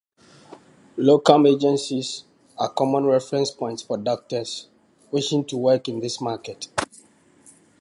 Locum agencies are common reference points for doctors wishing to work in this market.